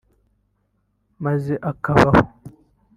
maze akabaho